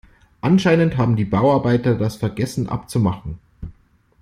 Anscheinend haben die Bauarbeiter das vergessen abzumachen.